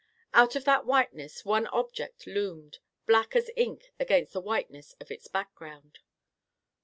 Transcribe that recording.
Out of that whiteness one object loomed, black as ink against the whiteness of its background.